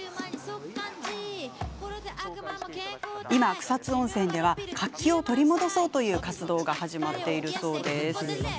今、草津温泉では活気を取り戻そうという活動が始まっているそうです。